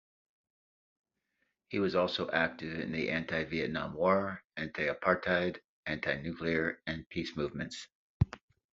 He was also active in the anti-Vietnam War, anti-apartheid, anti-nuclear, and peace movements.